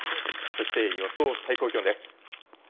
そして予想最高気温です。